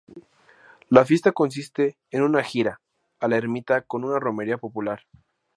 La fiesta consiste en una "jira" a la ermita con una romería popular.